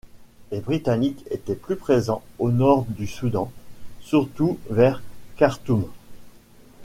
Les Britanniques étaient plus présents au nord du Soudan, surtout vers Khartoum.